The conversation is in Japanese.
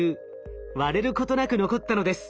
割れることなく残ったのです。